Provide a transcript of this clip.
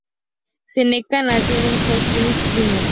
Seneca nació como Joel McGhee, Jr.